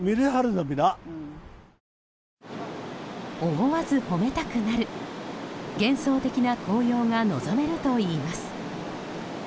思わず褒めたくなる幻想的な紅葉が望めるといいます。